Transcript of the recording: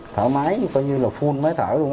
thở máy coi như là full máy thở luôn